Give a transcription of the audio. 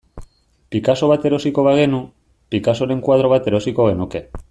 Picasso bat erosiko bagenu, Picassoren koadro bat erosiko genuke.